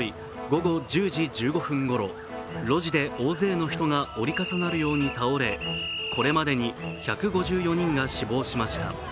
午後１０時１５分ごろ、路地で大勢の人が折り重なるように倒れ、これまでに１５４人が死亡しました。